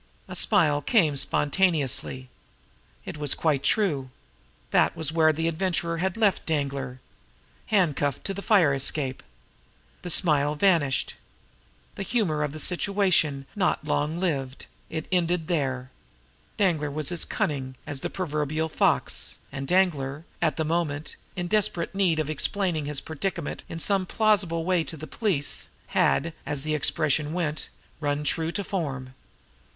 A smile came spontaneously. It was quite true. That was where the Adventurer had left Danglar handcuffed to the fire escape! The smile vanished. The humor of the situation was not long lived; it ended there. Danglar was as cunning as the proverbial fox; and Danglar, at that moment, in desperate need of explaining his predicament in some plausible way to the police, had, as the expression went, run true to form.